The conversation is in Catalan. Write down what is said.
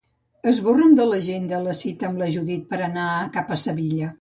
Esborra'm de l'agenda la cita amb la Judit per anar cap a Sevilla.